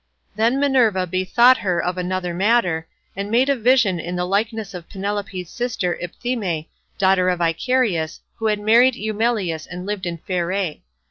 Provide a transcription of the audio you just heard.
Then Minerva bethought her of another matter, and made a vision in the likeness of Penelope's sister Iphthime daughter of Icarius who had married Eumelus and lived in Pherae.